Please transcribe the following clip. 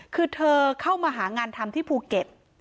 คือเธอเข้ามาหางานทำที่ภูเก็ต